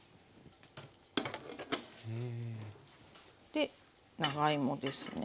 で長芋ですね。